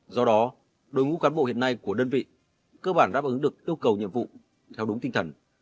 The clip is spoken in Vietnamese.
do đó đội ngũ cán bộ hiện nay của đơn vị cơ bản đáp ứng được yêu cầu nhiệm vụ theo đúng tinh thần